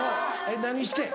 何して？